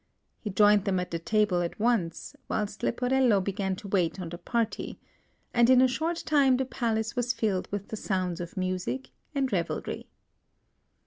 He joined them at the table at once, whilst Leporello began to wait on the party; and in a short time the palace was filled with the sounds of music and revelry.